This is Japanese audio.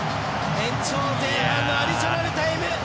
延長前半のアディショナルタイム！